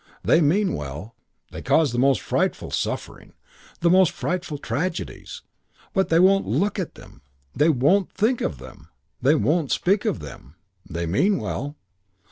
They mean well. They cause the most frightful suffering, the most frightful tragedies, but they won't look at them, they won't think of them, they won't speak of them: they mean well....